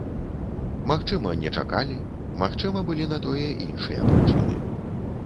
Магчыма, не чакалі, магчыма, былі на тое іншыя прычыны.